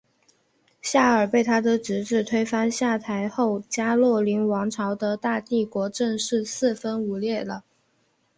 夏尔被他的侄子推翻下台后加洛林王朝的大帝国正式四分五裂了。